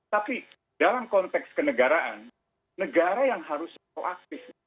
tapi dalam konteks kenegaraan negara yang harus proaktif